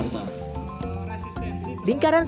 resistensi terhadap incumbent